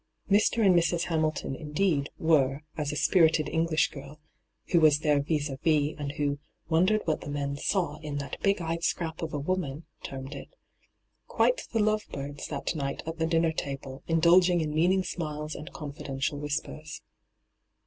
Mr. and Mrs. Hamilton, indeed, were, as a spirited English girl, who was their vi$~d vis and who ' wondered what the men saw in that big eyed scrap of a woman,' termed it, ' quite the love birds' that night at the dinner table, indulging in meaning smiles and confidential whispers.